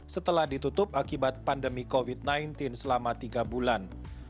setelah ditutup akibat pandemi covid sembilan belas selama tiga bulan